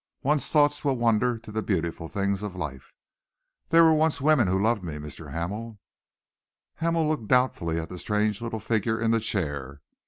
One's thoughts will wander to the beautiful things of life. There were once women who loved me, Mr. Hamel." Hamel looked doubtfully at the strange little figure in the chair.